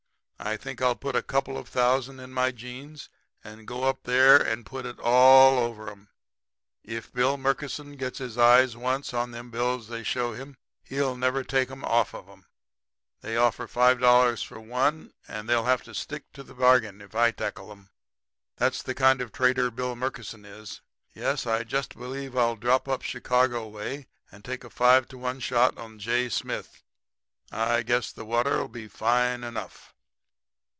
I think I'll put a couple of thousand in my jeans and go up there and put it all over 'em. If Bill Murkison gets his eyes once on them bills they show him he'll never take 'em off of 'em. They offer $5 for $1, and they'll have to stick to the bargain if I tackle 'em. That's the kind of trader Bill Murkison is. Yes, I jist believe I'll drop up Chicago way and take a 5 to 1 shot on J. Smith. I guess the water'll be fine enough.'